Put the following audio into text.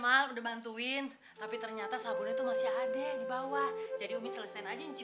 makasih emang udah bantuin tapi ternyata sabun itu masih ada di bawah jadi misalnya aja